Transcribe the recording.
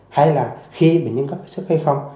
hay là khi bệnh nhân gắn sức hay không